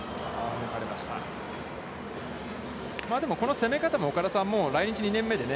でも、この攻め方も岡田さん、来日２年目でね。